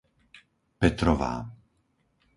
Petrová